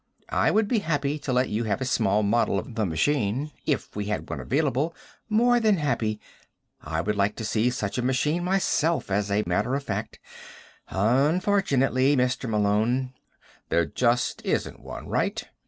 I would be happy to let you have a small model of the machine if we had one available more than happy. I would like to see such a machine myself, as a matter of fact. Unfortunately, Mr. Malone " "There just isn't one, right?"